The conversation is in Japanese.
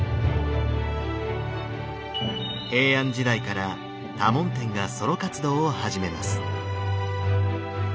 平安時代から多聞天がソロ活動を始めます。